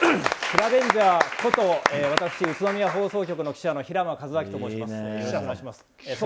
シラベンジャーこと私、宇都宮放送局記者の平間一彰と申します。